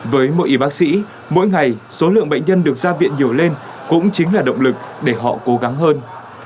với mỗi y bác sĩ mỗi ngày số lượng bệnh nhân được ra viện nhiều lên cũng chính là động lực để họ cố gắng hơn